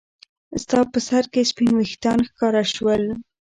ستا په سر کې سپین ويښتان ښکاره شول.